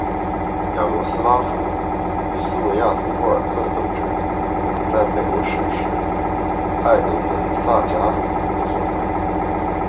雅罗斯拉夫与斯维亚托波尔克的斗争可能在北欧史诗埃德蒙萨迦中有所反映。